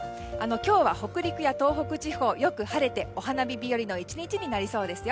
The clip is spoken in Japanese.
今日は北陸や東北地方よく晴れて、お花見日和の１日になりそうです。